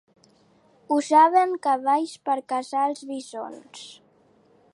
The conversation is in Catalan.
Usaven cavalls per caçar els bisons.